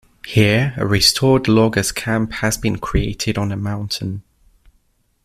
Here a restored loggers' camp has been created on the mountain.